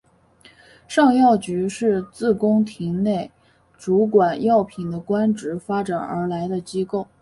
尚药局是自宫廷内主管药品的官职发展而来的机构。